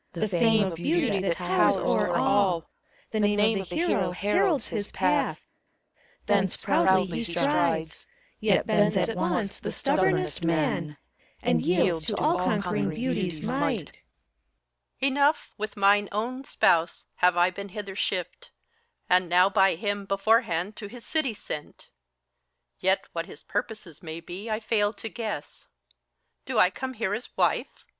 The fame of beauty that towers o'er all. The name of the hero heralds his path, Thence proudly he strides; Yet bends at once the stubbomest man, And yields to all conquering Beauty's might HELENA. • Enough, with mine own spouse have I been hither shipped, And now by him beforehand to his city sent j 134 FAUST, Yet what his purposes may be, I fail to guess. Do I come here as wife?